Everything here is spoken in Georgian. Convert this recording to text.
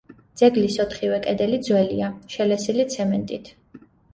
ძეგლის ოთხივე კედელი ძველია, შელესილი ცემენტით.